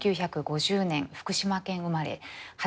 １９５０年福島県生まれ。